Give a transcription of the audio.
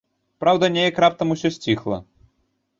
Праўда, неяк раптам усё сціхла.